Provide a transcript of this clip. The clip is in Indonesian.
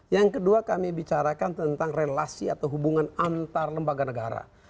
yang kedua kami bicarakan tentang relasi atau hubungan antar lembaga negara